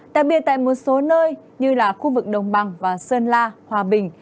đặc biệt tại một số nơi như là khu vực đồng bằng và sơn la hòa bình